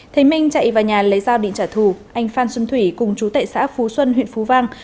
thấy minh chạy vào nhà lấy giao định trả thù anh phan xuân thủy cùng chú tại xã phú xuân huyện phú vang